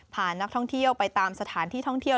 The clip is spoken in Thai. พานักท่องเที่ยวไปตามสถานที่ท่องเที่ยว